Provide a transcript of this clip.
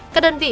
các đơn vị